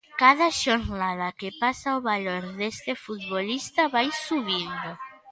Cada xornada que pasa, o valor deste futbolista vai subindo.